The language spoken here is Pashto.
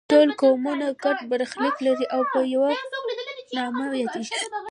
ټول قومونه ګډ برخلیک لري او په یوه نامه یادیږي.